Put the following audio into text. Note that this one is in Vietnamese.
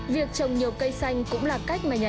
việc trồng nhiều cây xanh cũng là cách mà chúng tôi tìm hiểu